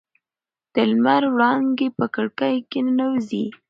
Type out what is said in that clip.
د لمر وړانګې په کړکۍ کې ننوځي.